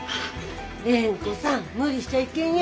蓮子さん無理しちゃいけんよ。